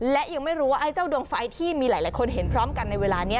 และยังไม่รู้ว่าไอ้เจ้าดวงไฟที่มีหลายคนเห็นพร้อมกันในเวลานี้